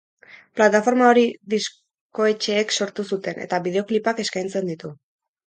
Plataforma hori diskoetxeek sortu zuten, eta bideoklipak eskaintzen ditu.